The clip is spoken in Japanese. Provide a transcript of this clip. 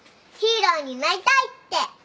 ヒーローになりたいって。